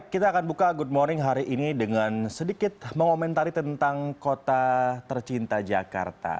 kita akan buka good morning hari ini dengan sedikit mengomentari tentang kota tercinta jakarta